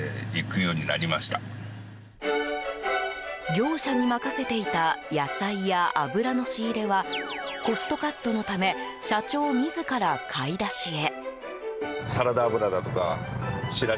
業者に任せていた野菜や油の仕入れはコストカットのため社長自ら買い出しへ。